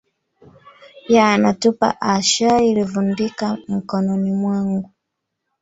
Yana tupa a shai ilivundika nkononi mwangu